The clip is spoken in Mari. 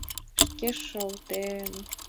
Шке шолтен?